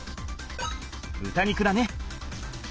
豚肉だね。